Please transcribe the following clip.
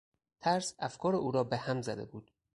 ترس افکار او را به هم زده بود.